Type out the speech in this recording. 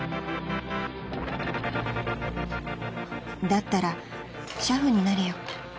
［だったら俥夫になれよ］